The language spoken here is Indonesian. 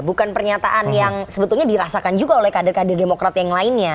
bukan pernyataan yang sebetulnya dirasakan juga oleh kader kader demokrat yang lainnya